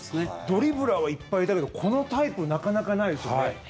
ドリブラーはいっぱいいたけどこのタイプなかなかないですよね。